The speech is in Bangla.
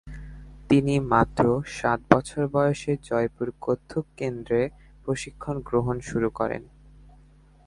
তিনি মাত্র সাত বছর বয়সে জয়পুর কত্থক কেন্দ্রে প্রশিক্ষণ গ্রহণ শুরু করেন।